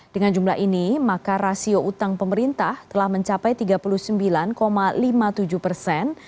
dengan jumlah ini maka rasio utang pemerintah telah mencapai tiga puluh sembilan lima puluh tujuh persen